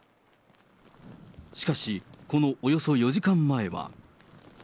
しかし、このおよそ４時間前は。